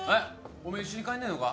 おめえ一緒に帰んねえのか？